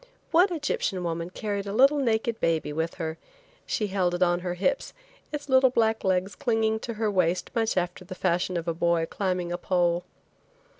One Egyptian woman carried a little naked baby with her. She held it on her hips, its little black legs clinging to her waist much after the fashion of a boy climbing a pole.